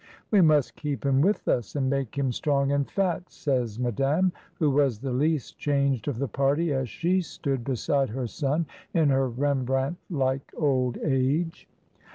"We must keep him with us, and make him strong and fat!" says Madame, who was the least changed of the party as she stood beside her son in her Rembrandt like old age.